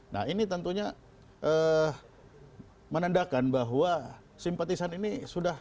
nah ini tentunya menandakan bahwa simpatisan ini sudah